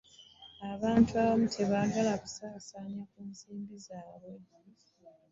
abantu abamu tebaagala kusaasaanya ku nsimbi zaabwe